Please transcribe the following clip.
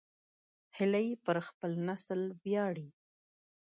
هیلۍ پر خپل نسل ویاړي